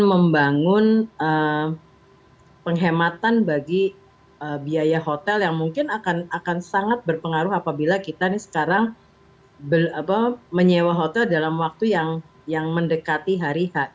kita membangun penghematan bagi biaya hotel yang mungkin akan sangat berpengaruh apabila kita sekarang menyewa hotel dalam waktu yang mendekati hari h